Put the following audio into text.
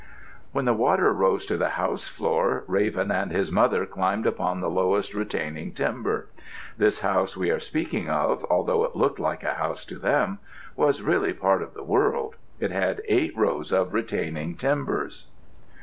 When the water rose to the house floor, Raven and his mother climbed upon the lowest retaining timber. This house we are speaking of, although it looked like a house to them, was really part of the world. It had eight rows of retaining timbers.